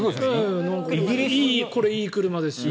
これいい車ですよ。